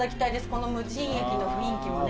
この無人駅の雰囲気もね。